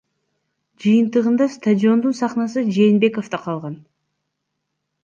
Жыйынтыгында стадиондун сахнасы Жээнбековдо калган.